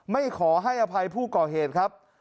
ไม่ขอให้อภัยผู้ก่อเหตุครับ